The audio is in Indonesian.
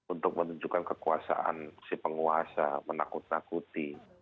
untuk menunjukkan kekuasaan si penguasa menakut nakuti